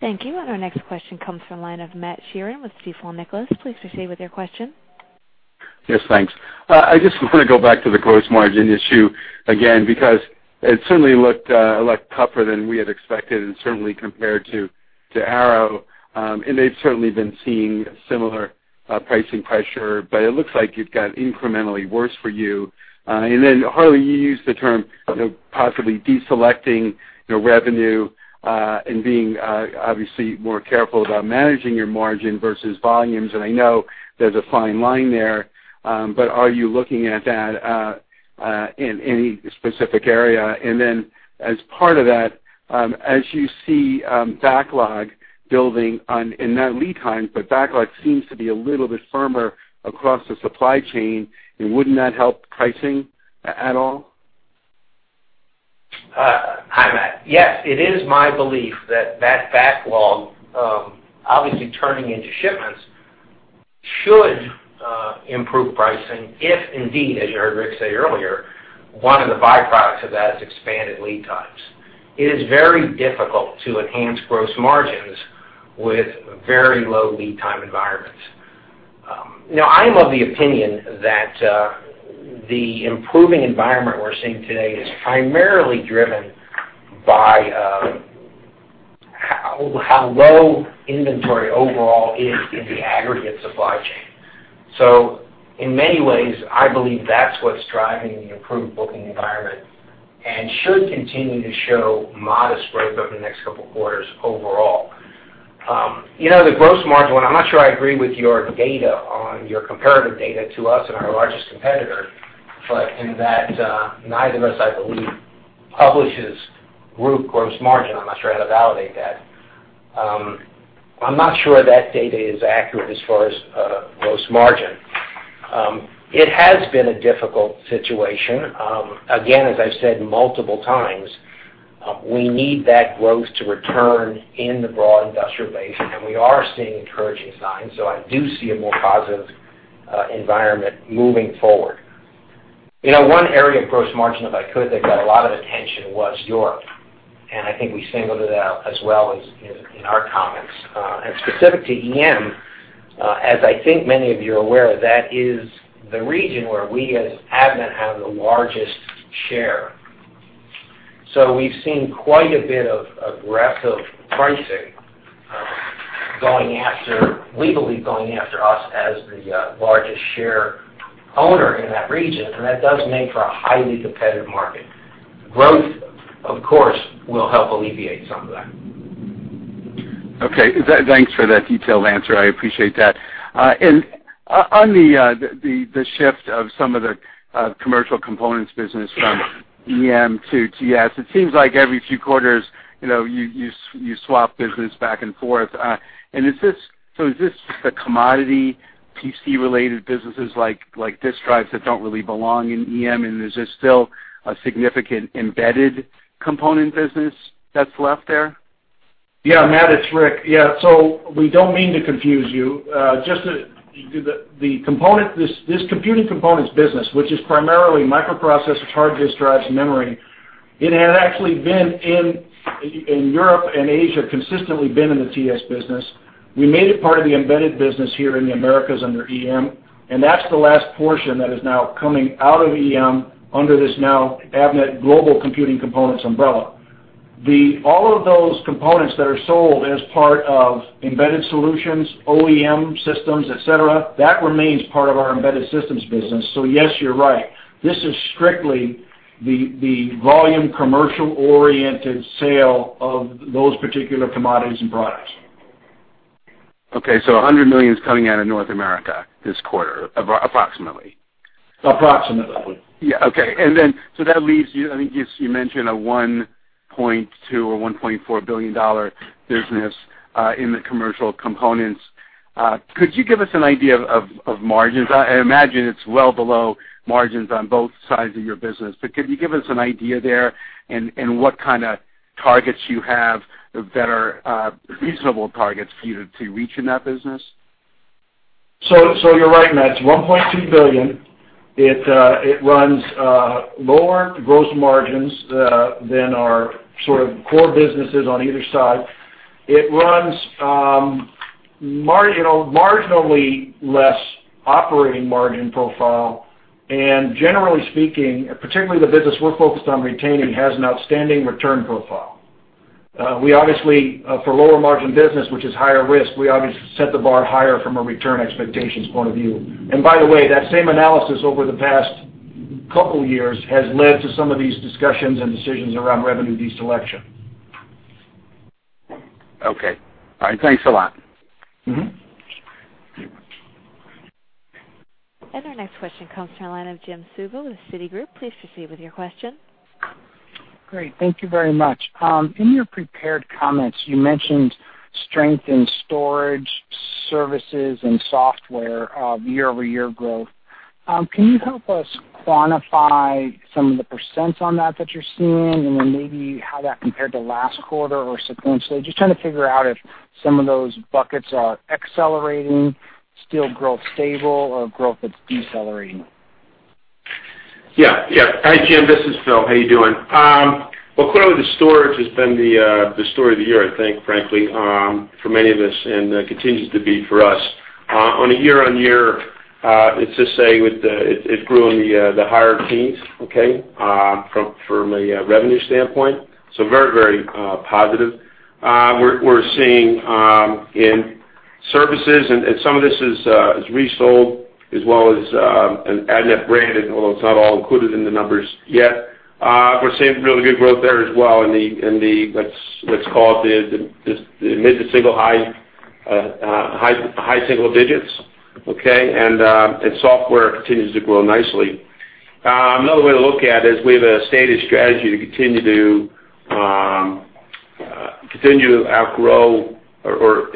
Thank you. And our next question comes from the line of Matt Sheerin with Stifel Nicolaus. Please proceed with your question. Yes. Thanks. I just want to go back to the gross margin issue again because it certainly looked a lot tougher than we had expected and certainly compared to Arrow. And they've certainly been seeing similar pricing pressure. But it looks like it got incrementally worse for you. And then, Harley, you used the term possibly deselecting revenue and being obviously more careful about managing your margin versus volumes. And I know there's a fine line there. But are you looking at that in any specific area? And then as part of that, as you see backlog building on and not lead times, but backlog seems to be a little bit firmer across the supply chain, wouldn't that help pricing at all? Hi, Matt. Yes. It is my belief that that backlog, obviously turning into shipments, should improve pricing if indeed, as you heard Rick say earlier, one of the byproducts of that is expanded lead times. It is very difficult to enhance gross margins with very low lead-time environments. Now, I am of the opinion that the improving environment we're seeing today is primarily driven by how low inventory overall is in the aggregate supply chain. So in many ways, I believe that's what's driving the improved booking environment and should continue to show modest growth over the next couple of quarters overall. The gross margin one, I'm not sure I agree with your data on your comparative data to us and our largest competitor in that neither of us, I believe, publishes group gross margin. I'm not sure how to validate that. I'm not sure that data is accurate as far as gross margin. It has been a difficult situation. Again, as I've said multiple times, we need that growth to return in the broad industrial base. And we are seeing encouraging signs. So I do see a more positive environment moving forward. One area of gross margin, if I could, that got a lot of attention was Europe. And I think we singled it out as well as in our comments. And specific to EM, as I think many of you are aware, that is the region where we, as Avnet, have the largest share. So we've seen quite a bit of aggressive pricing going after we believe going after us as the largest share owner in that region. And that does make for a highly competitive market. Growth, of course, will help alleviate some of that. Okay. Thanks for that detailed answer. I appreciate that. And on the shift of some of the commercial components business from EM to TS, it seems like every few quarters, you swap business back and forth. And so is this the commodity PC-related businesses like disk drives that don't really belong in EM? And is there still a significant embedded component business that's left there? Yeah, Matt. It's Rick. Yeah. So we don't mean to confuse you. Just the component this computing components business, which is primarily microprocessors, hard disk drives, memory. It had actually been in Europe and Asia, consistently been in the TS business. We made it part of the embedded business here in the Americas under EM. And that's the last portion that is now coming out of EM under this now Avnet Global Computing Components umbrella. All of those components that are sold as part of embedded solutions, OEM systems, etc., that remains part of our embedded systems business. So yes, you're right. This is strictly the volume commercial-oriented sale of those particular commodities and products. Okay. So $100 million is coming out of North America this quarter, approximately. Approximately. Yeah. Okay. And then so that leaves you. I think you mentioned a $1.2 billion or $1.4 billion business in the commercial components. Could you give us an idea of margins? I imagine it's well below margins on both sides of your business. But could you give us an idea there and what kind of targets you have that are reasonable targets for you to reach in that business? So you're right, Matt. It's $1.2 billion. It runs lower gross margins than our sort of core businesses on either side. It runs marginally less operating margin profile. And generally speaking, particularly the business we're focused on retaining has an outstanding return profile. For lower-margin business, which is higher risk, we obviously set the bar higher from a return expectations point of view. And by the way, that same analysis over the past couple of years has led to some of these discussions and decisions around revenue deselection. Okay. All right. Thanks a lot. And our next question comes from the line of Jim Suva with Citigroup. Please proceed with your question. Great. Thank you very much. In your prepared comments, you mentioned strength in storage services and software, year-over-year growth. Can you help us quantify some of the percents on that that you're seeing and then maybe how that compared to last quarter or sequentially? Just trying to figure out if some of those buckets are accelerating, still growth stable, or growth that's decelerating. Yeah. Yeah. Hi, Jim. This is Phil. How you doing? Well, clearly, the storage has been the story of the year, I think, frankly, for many of us and continues to be for us. On a year-over-year, it's safe to say it grew in the higher teens, okay, from a revenue standpoint. So very, very positive. We're seeing in services, and some of this is resold as well as Avnet branded, although it's not all included in the numbers yet. We're seeing really good growth there as well in the, let's call it, the mid- to high-single digits, okay? And software continues to grow nicely. Another way to look at it is we have a stated strategy to continue to outgrow or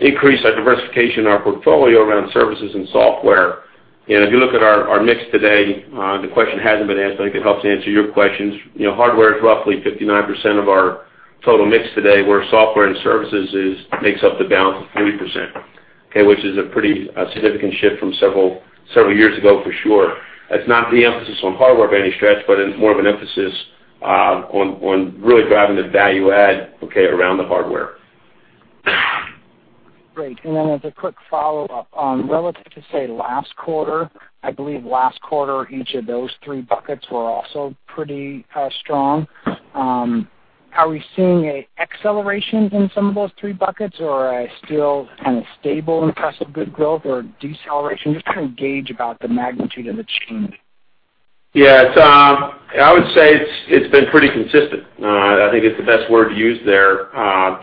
increase our diversification in our portfolio around services and software. And if you look at our mix today, the question hasn't been answered. I think it helps answer your questions. Hardware is roughly 59% of our total mix today, where software and services makes up the balance of 40%, okay, which is a pretty significant shift from several years ago for sure. It's not the emphasis on hardware by any stretch, but more of an emphasis on really driving the value add around the hardware. Great. And then as a quick follow-up, relative to, say, last quarter, I believe last quarter, each of those three buckets were also pretty strong. Are we seeing accelerations in some of those three buckets, or still kind of stable, impressive, good growth, or deceleration? Just kind of gauge about the magnitude of the change. Yeah. I would say it's been pretty consistent. I think it's the best word to use there,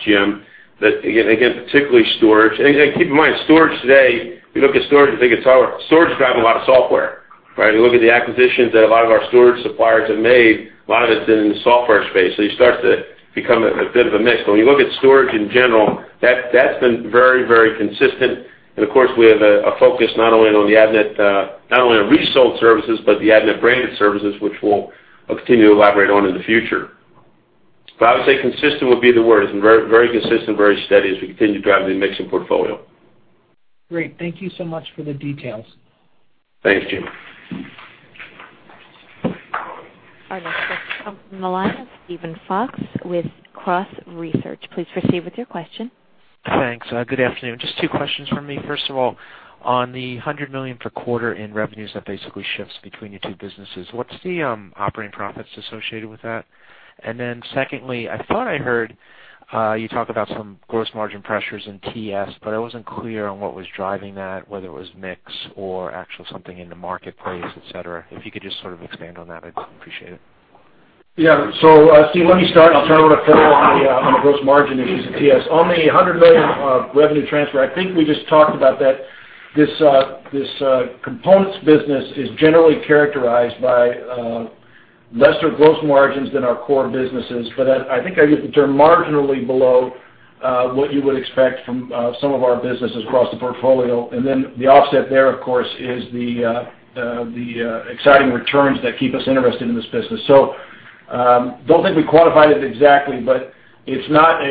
Jim, again, particularly storage. And keep in mind, storage today, if you look at storage, you think it's hard. Storage is driving a lot of software, right? You look at the acquisitions that a lot of our storage suppliers have made, a lot of it's been in the software space. So you start to become a bit of a mix. But when you look at storage in general, that's been very, very consistent. And of course, we have a focus not only on the Avnet not only on resold services but the Avnet branded services, which we'll continue to elaborate on in the future. But I would say consistent would be the word. It's been very consistent, very steady as we continue to drive the mixing portfolio. Great. Thank you so much for the details. Thanks, Jim. Our next question from the line of Steven Fox with Cross Research. Please proceed with your question. Thanks. Good afternoon. Just two questions from me. First of all, on the $100 million per quarter in revenues that basically shifts between your two businesses, what's the operating profits associated with that? And then secondly, I thought I heard you talk about some gross margin pressures in TS, but I wasn't clear on what was driving that, whether it was mix or actual something in the marketplace, etc. If you could just sort of expand on that, I'd appreciate it. Yeah. So Steve, let me start. I'll turn it over to Phil on the gross margin issues of TS. On the $100 million revenue transfer, I think we just talked about that this components business is generally characterized by lesser gross margins than our core businesses. But I think I used the term marginally below what you would expect from some of our businesses across the portfolio. And then the offset there, of course, is the exciting returns that keep us interested in this business. So don't think we quantified it exactly, but it's not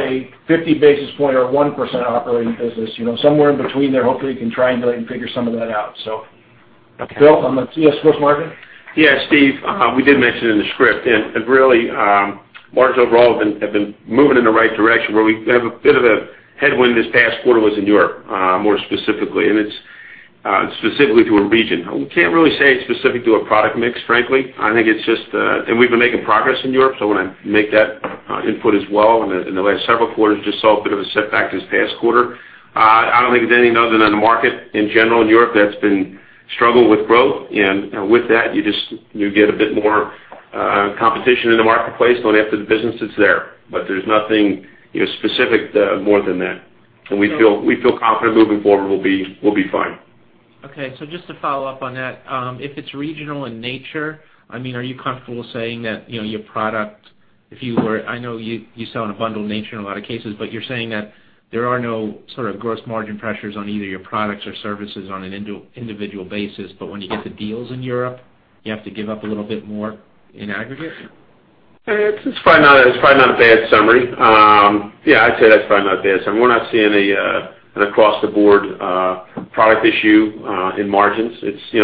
a 50 basis point or 1% operating business. Somewhere in between there, hopefully, you can triangulate and figure some of that out, so. Phil, on the TS gross margin? Yeah, Steve. We did mention in the script. Really, margins overall have been moving in the right direction, where we have a bit of a headwind. This past quarter was in Europe, more specifically. And it's specifically to a region. We can't really say it's specific to a product mix, frankly. I think it's just, and we've been making progress in Europe. So I want to make that input as well. And in the last several quarters, just saw a bit of a setback this past quarter. I don't think there's anything other than the market in general in Europe that's been struggling with growth. And with that, you get a bit more competition in the marketplace going after the business that's there. But there's nothing specific more than that. And we feel confident moving forward will be fine. Okay. So just to follow up on that, if it's regional in nature, I mean, are you comfortable saying that your product if you were I know you sell in a bundle nature in a lot of cases, but you're saying that there are no sort of gross margin pressures on either your products or services on an individual basis. But when you get the deals in Europe, you have to give up a little bit more in aggregate? It's probably not a bad summary. Yeah. I'd say that's probably not a bad summary. We're not seeing an across-the-board product issue in margins. A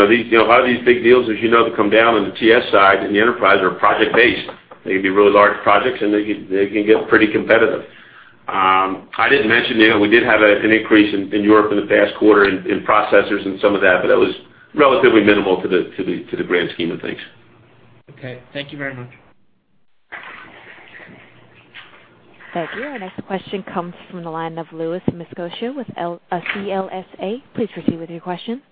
lot of these big deals, as you know, that come down on the TS side in the enterprise are project-based. They can be really large projects, and they can get pretty competitive. I didn't mention we did have an increase in Europe in the past quarter in processors and some of that, but that was relatively minimal to the grand scheme of things. Okay. Thank you very much. Thank you. Our next question comes from the line of Louis Miscioscia with CLSA. Please proceed with your question.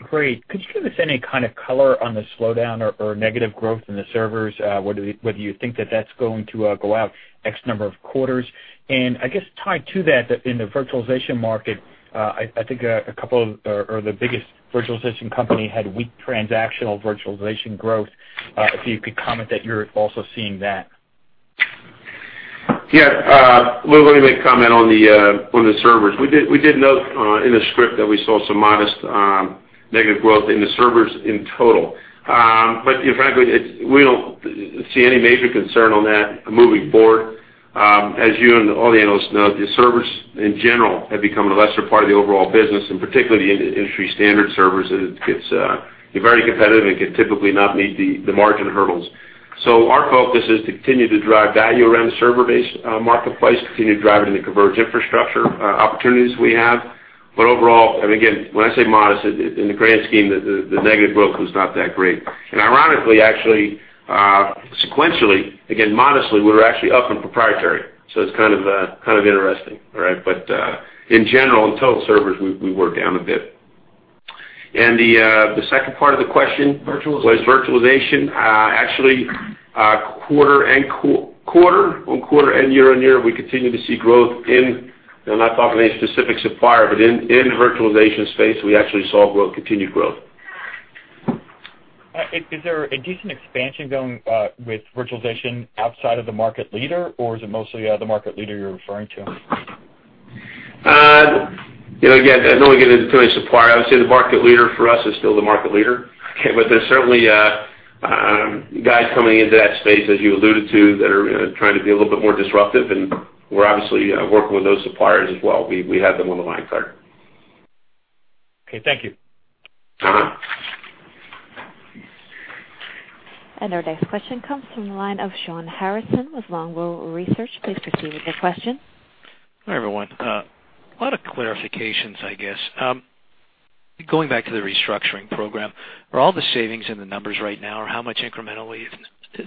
Great. Could you give us any kind of color on the slowdown or negative growth in the servers, whether you think that that's going to go out X number of quarters? And I guess tied to that, in the virtualization market, I think a couple of or the biggest virtualization company had weak transactional virtualization growth. If you could comment that you're also seeing that. Yeah. Let me make a comment on the servers. We did note in the script that we saw some modest negative growth in the servers in total. But frankly, we don't see any major concern on that moving forward. As you and all the analysts know, the servers in general have become a lesser part of the overall business, and particularly the industry standard servers. They're very competitive and can typically not meet the margin hurdles. So our focus is to continue to drive value around the server-based marketplace, continue to drive it in the converged infrastructure opportunities we have. But overall, and again, when I say modest, in the grand scheme, the negative growth was not that great. And ironically, actually, sequentially, again, modestly, we were actually up in proprietary. So it's kind of interesting, all right? But in general, in total servers, we were down a bit. And the second part of the question was virtualization. Actually, quarter-over-quarter and year-over-year, we continue to see growth in and I'm not talking any specific supplier, but in the virtualization space, we actually saw continued growth. Is there a decent expansion going with virtualization outside of the market leader, or is it mostly the market leader you're referring to? Again, I don't want to get into too many suppliers. I would say the market leader for us is still the market leader. But there's certainly guys coming into that space, as you alluded to, that are trying to be a little bit more disruptive. And we're obviously working with those suppliers as well. We have them on the line card. Okay. Thank you. Uh-huh. And our next question comes from the line of Shawn Harrison with Longbow Research. Please proceed with your question. Hi everyone. A lot of clarifications, I guess. Going back to the restructuring program, are all the savings in the numbers right now, or how much incrementally, if,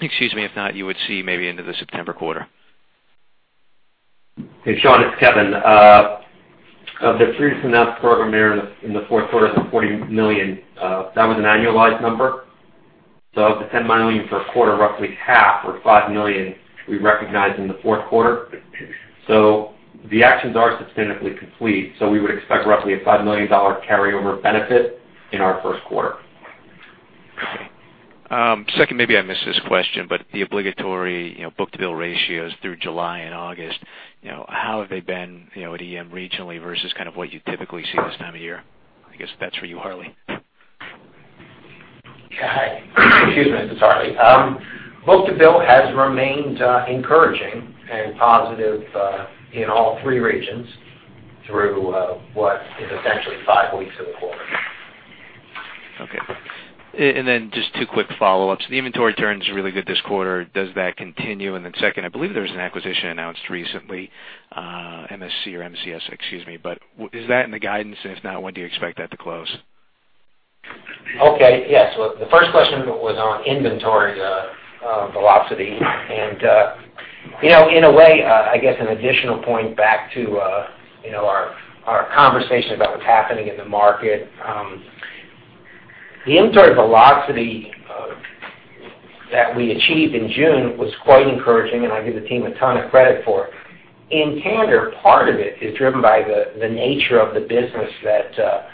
excuse me, if not, you would see maybe into the September quarter? Hey Sean, it's Kevin. Of the freeze-to-net program here in the Q4, it's $40 million. That was an annualized number. So of the $10 million per quarter, roughly half or $5 million we recognize in the Q4. So the actions are substantively complete. So we would expect roughly a $5 million carryover benefit in our Q1. Okay. Second, maybe I missed this question, but the overall book-to-bill ratios through July and August, how have they been at EM regionally versus kind of what you typically see this time of year? I guess that's for you, Harley. Excuse me. This is Harley. Book-to-bill has remained encouraging and positive in all three regions through what is essentially five weeks of the quarter. Okay. And then just two quick follow-ups. The inventory turn's really good this quarter. Does that continue? And then second, I believe there was an acquisition announced recently, MSC, excuse me. But is that in the guidance? And if not, when do you expect that to close? Okay. Yeah. So the first question was on inventory velocity. And in a way, I guess an additional point back to our conversation about what's happening in the market, the inventory velocity that we achieved in June was quite encouraging, and I give the team a ton of credit for it. In tandem, part of it is driven by the nature of the business that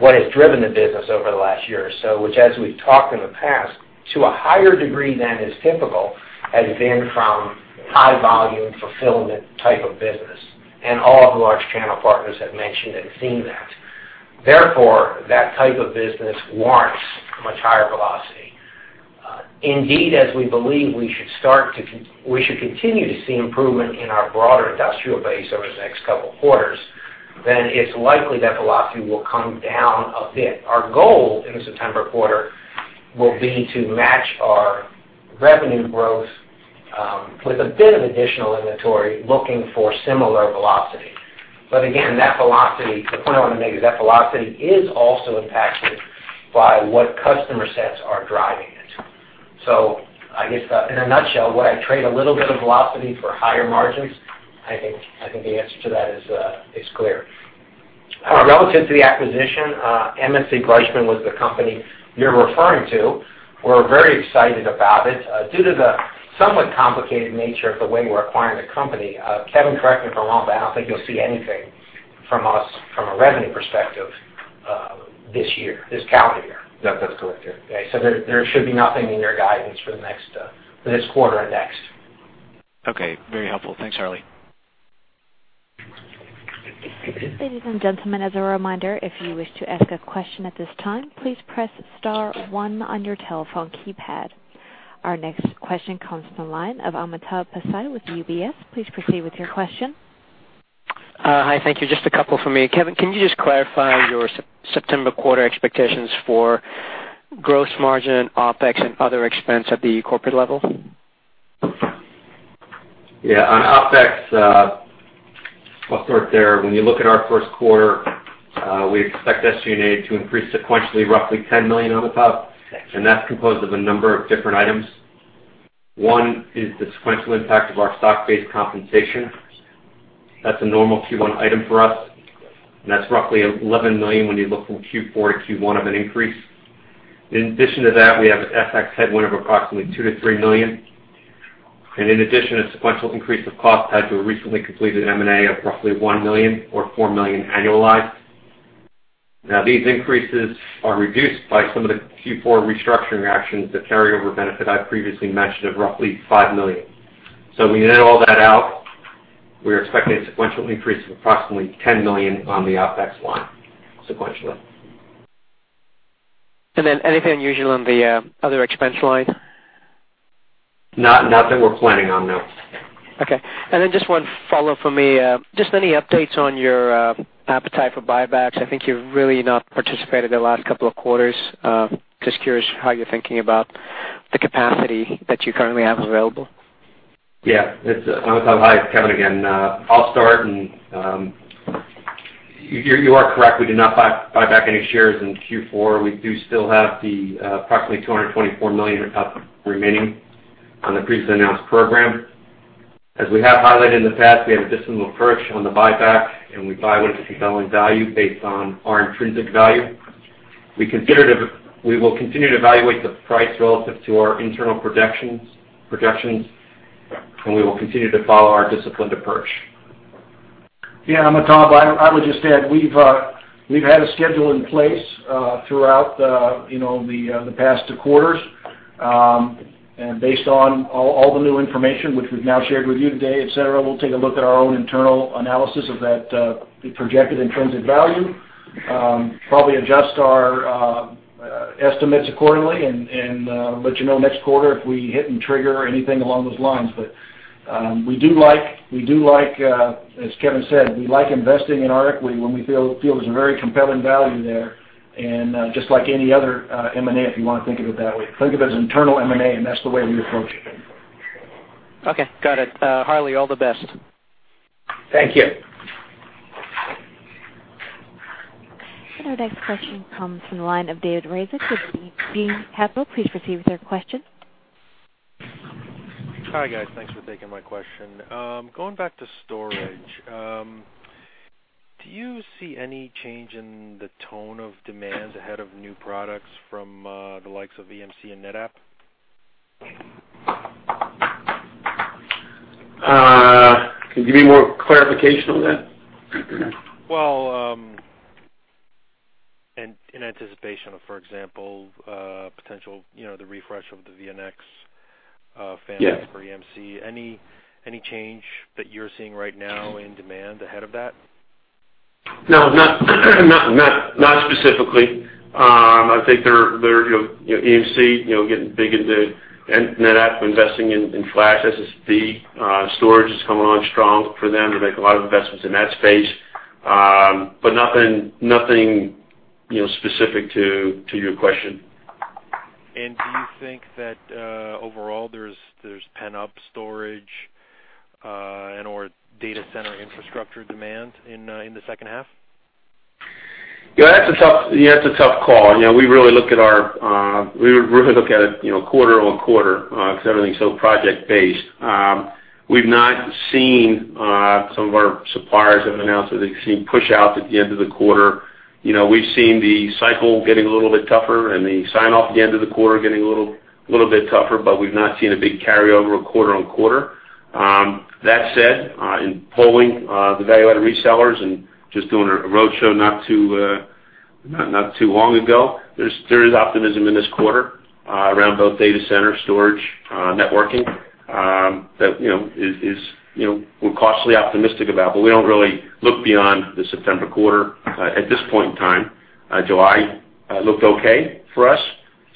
what has driven the business over the last year, which, as we've talked in the past, to a higher degree than is typical, has been from high-volume fulfillment type of business. All of the large channel partners have mentioned and seen that. Therefore, that type of business warrants much higher velocity. Indeed, as we believe we should continue to see improvement in our broader industrial base over the next couple of quarters, then it's likely that velocity will come down a bit. Our goal in the September quarter will be to match our revenue growth with a bit of additional inventory looking for similar velocity. But again, that velocity, the point I want to make is that velocity is also impacted by what customer sets are driving it. So I guess in a nutshell, would I trade a little bit of velocity for higher margins? I think the answer to that is clear. Relative to the acquisition, MSC Gleichmann was the company you're referring to. We're very excited about it. Due to the somewhat complicated nature of the way we're acquiring the company, Kevin, correct me if I'm wrong, but I don't think you'll see anything from us from a revenue perspective this year, this calendar year. No, that's correct. Yeah. Okay. So there should be nothing in your guidance for this quarter and next. Okay. Very helpful. Thanks, Harley. Ladies and gentlemen, as a reminder, if you wish to ask a question at this time, please press star one on your telephone keypad. Our next question comes from the line of Amitabh Passi with UBS. Please proceed with your question. Hi. Thank you. Just a couple for me. Kevin, can you just clarify your September quarter expectations for gross margin, OpEx, and other expense at the corporate level? Yeah. On OpEx, I'll start there. When you look at our Q1, we expect SG&A to increase sequentially roughly $10 million on the top. And that's composed of a number of different items. One is the sequential impact of our stock-based compensation. That's a normal Q1 item for us. And that's roughly $11 million when you look from Q4 to Q1 of an increase. In addition to that, we have an FX headwind of approximately $2 million-$3 million. And in addition, a sequential increase of cost tied to a recently completed M&A of roughly $1 million or $4 million annualized. Now, these increases are reduced by some of the Q4 restructuring actions, the carryover benefit I previously mentioned of roughly $5 million. When you net all that out, we are expecting a sequential increase of approximately $10 million on the OpEx line sequentially. Then anything unusual on the other expense line? Not that we're planning on, no. Okay. Then just one follow-up for me. Just any updates on your appetite for buybacks? I think you've really not participated the last couple of quarters. Just curious how you're thinking about the capacity that you currently have available. Yeah. I'll tell you how it is, Kevin, again. I'll start. You are correct. We did not buy back any shares in Q4. We do still have the approximately $224 million remaining on the previously announced program. As we have highlighted in the past, we have a disciplined approach on the buyback, and we buy what is compelling value based on our intrinsic value. We will continue to evaluate the price relative to our internal projections, and we will continue to follow our disciplined approach. Yeah. Amitabh, I would just add we've had a schedule in place throughout the past two quarters. Based on all the new information, which we've now shared with you today, etc., we'll take a look at our own internal analysis of the projected intrinsic value, probably adjust our estimates accordingly, and let you know next quarter if we hit and trigger anything along those lines. We do like, as Kevin said, we like investing in our equity when we feel there's a very compelling value there. Just like any other M&A, if you want to think of it that way. Think of it as internal M&A, and that's the way we approach it. Okay. Got it. Harley, all the best. Thank you. And our next question comes from the line of David Ryzhik. Please proceed with your question. Hi guys. Thanks for taking my question. Going back to storage, do you see any change in the tone of demand ahead of new products from the likes of EMC and NetApp? Can you give me more clarification on that? Well, in anticipation of, for example, the refresh of the VNX family for EMC, any change that you're seeing right now in demand ahead of that? No. Not specifically. I think EMC getting big into NetApp, investing in flash SSD storage is coming on strong for them. They make a lot of investments in that space. But nothing specific to your question. Do you think that overall there's pent-up storage and/or data center infrastructure demand in the second half? Yeah. That's a tough yeah. That's a tough call. We really look at it quarter-on-quarter because everything's so project-based. We've not seen some of our suppliers have announced that they've seen push-outs at the end of the quarter. We've seen the cycle getting a little bit tougher and the sign-off at the end of the quarter getting a little bit tougher, but we've not seen a big carryover quarter-on-quarter. That said, in polling the value-added resellers and just doing a roadshow not too long ago, there is optimism in this quarter around both data center, storage, networking that we're cautiously optimistic about. But we don't really look beyond the September quarter at this point in time. July looked okay for us.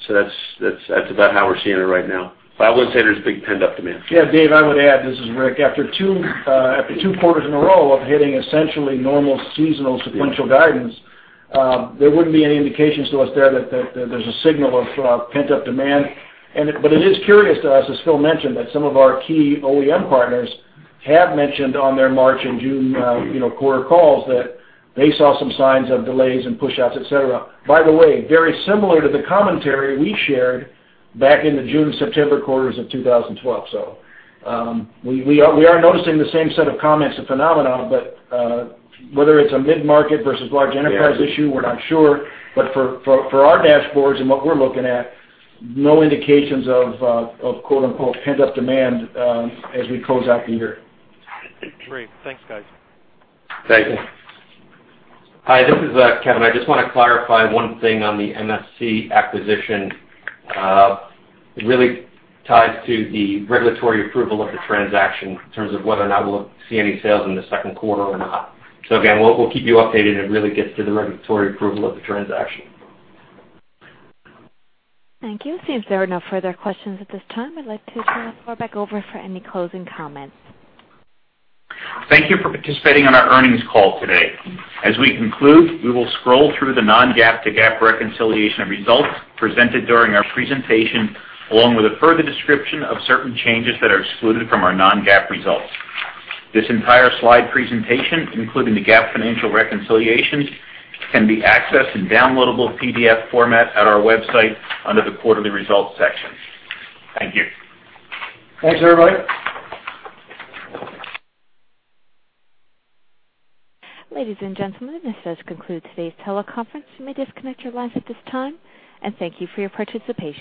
So that's about how we're seeing it right now. But I wouldn't say there's big pent-up demand. Yeah. Dave, I would add. This is Rick. After two quarters in a row of hitting essentially normal seasonal sequential guidance, there wouldn't be any indications to us there that there's a signal of pent-up demand. But it is curious to us, as Phil mentioned, that some of our key OEM partners have mentioned on their March and June quarter calls that they saw some signs of delays and push-outs, etc. By the way, very similar to the commentary we shared back in the June/September quarters of 2012. So we are noticing the same set of comments of phenomenon. But whether it's a mid-market versus large enterprise issue, we're not sure. But for our dashboards and what we're looking at, no indications of "pent-up demand" as we close out the year. Great. Thanks, guys. Thank you. Hi. This is Kevin. I just want to clarify one thing on the MSC acquisition. It really ties to the regulatory approval of the transaction in terms of whether or not we'll see any sales in the Q2 or not. So again, we'll keep you updated. It really gets to the regulatory approval of the transaction. Thank you. It seems there are no further questions at this time. I'd like to turn the floor back over for any closing comments. Thank you for participating in our earnings call today. As we conclude, we will scroll through the non-GAAP to GAAP reconciliation results presented during our presentation along with a further description of certain changes that are excluded from our non-GAAP results. This entire slide presentation, including the GAAP financial reconciliations, can be accessed in downloadable PDF format at our website under the quarterly results section. Thank you. Thanks, everybody. Ladies and gentlemen, this does conclude today's teleconference. You may disconnect your lines at this time. Thank you for your participation.